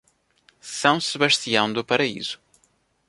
São Sebastião do Paraíso